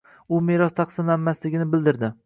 U meros taqsimlanmasligini bildirdi.